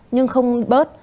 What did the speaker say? nhưng không bớt